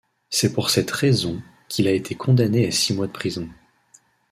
C'est pour cette raison qu'il a été condamné à six mois de prison.